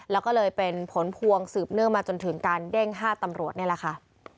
แล้วก็เลยเป็นผลพวงสืบเนื่องมาจนถึงการเด้ง๕ตำรวจนี่แหละค่ะ